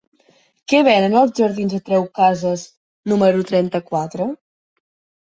Què venen als jardins de Creu Casas número trenta-quatre?